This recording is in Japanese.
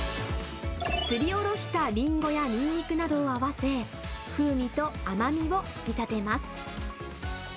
すりおろしたリンゴやニンニクなどを合わせ、風味と甘みを引き立てます。